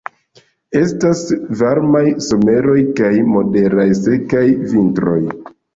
Estas varmaj someroj kaj moderaj sekaj vintroj.